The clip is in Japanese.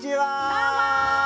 どうも！